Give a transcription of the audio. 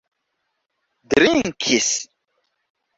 drinkis